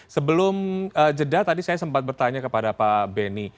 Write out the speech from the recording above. sebelum jeda tadi saya sempat bertanya kepada pak beni